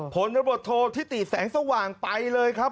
ผลบทโทษทิติแสงสว่างไปเลยครับ